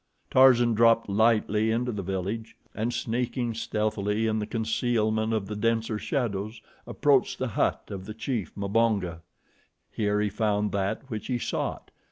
Tarzan dropped lightly into the village, and sneaking stealthily in the concealment of the denser shadows, approached the hut of the chief, Mbonga. Here he found that which he sought.